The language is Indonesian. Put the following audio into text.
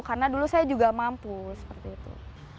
karena dulu saya juga mampu seperti itu